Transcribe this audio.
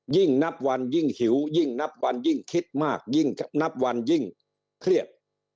ยิ่งนับวันยิ่งหิวยิ่งนับวันยิ่งคิดมากยิ่งนับวันยิ่งเครียด